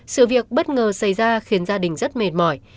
sự việc bất ngờ xảy ra khiến gia đình rất mệt mỏi